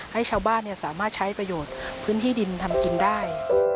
ให้ชาวบ้านสามารถใช้ประโยชน์พื้นที่ดินทำกินได้